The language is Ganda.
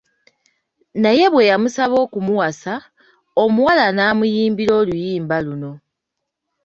Naye bwe yamusaba okumuwasa, omuwala n'amuyimbira oluyimba luno.